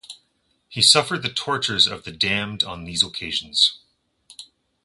He suffered the tortures of the damned on these occasions.